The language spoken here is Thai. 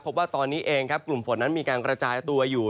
พบว่าตอนนี้เองครับกลุ่มฝนนั้นมีการกระจายตัวอยู่